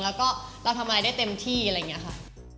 แล้วก็เราทำอะไรได้เต็มที่อะไรอย่างนี้ค่ะ